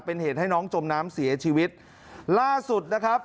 เป็นเหตุให้น้องจมน้ำเสียชีวิตล่าสุดนะครับ